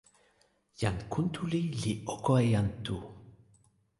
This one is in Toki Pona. jan Kuntuli li oko e jan Tu.